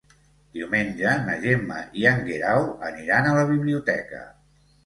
Diumenge na Gemma i en Guerau aniran a la biblioteca.